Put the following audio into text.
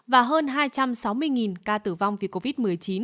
và hơn hai trăm sáu mươi ca tử vong vì covid một mươi chín